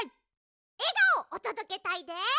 えがおおとどけたいで。